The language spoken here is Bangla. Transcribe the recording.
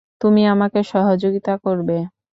তুমি আমাকে সহযোগিতা করবে।